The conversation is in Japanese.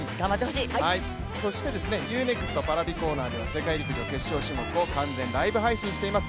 そしてＵ−ＮＥＸＴＰａｒａｖｉコーナーでは決勝種目を完全ライブ配信しています。